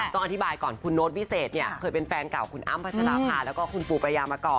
ต้องอธิบายก่อนคุณโน้ตวิเศษเนี่ยเคยเป็นแฟนเก่าคุณอ้ำพัชราภาแล้วก็คุณปูประยามาก่อน